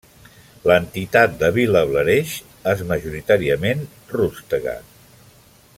L'entitat de Vilablareix és majoritàriament rústega.